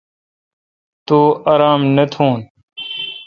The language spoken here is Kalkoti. تو آرام نہ تھون۔